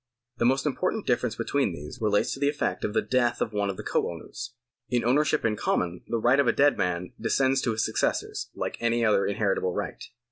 The most important difference between these relates to the effect of the death of one of the co owners. In ownership in common the right of a dead man descends to his successors like any other inheritable right.